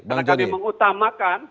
karena kami mengutamakan